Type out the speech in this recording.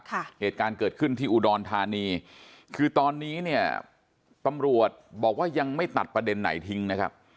เหตุการณ์เกิดขึ้นที่อุดรธานีคือตอนนี้เนี่ยตำรวจบอกว่ายังไม่ตัดประเด็นไหนทิ้งนะครับ